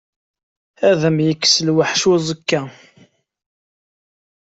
Ad m-yekkes lweḥc n uẓekka.